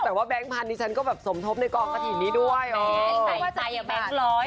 แต่ว่าแบงค์พันธุ์นี้ฉันก็แบบสมทบในกองกะถิ่นนี้ด้วยโอ้แบงค์ใส่ไปอะแบงค์ร้อย